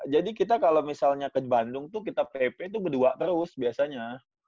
jadi kita kalau misalnya ke bandung tuh kita pp tuh berdua terus biasanya